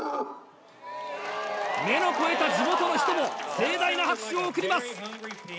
目の肥えた地元の人も盛大な拍手を送ります！